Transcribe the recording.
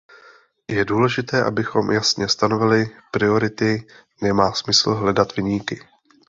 Je důležité, abychom jasně stanovili priority; nemá smysl hledat viníky.